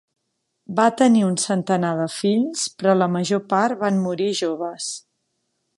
Va tenir un centenar de fills però la major part van morir joves.